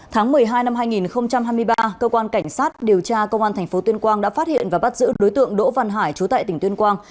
tháng một mươi hai năm hai nghìn hai mươi ba cơ quan cảnh sát điều tra công an tp tuyên quang đã phát hiện và bắt giữ đối tượng đỗ văn hải chú tại tỉnh tuyên quang